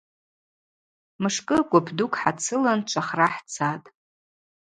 Мышкӏы гвып дукӏ хӏацылын чвахра хӏцатӏ.